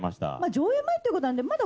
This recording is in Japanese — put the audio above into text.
上映前ということなんで。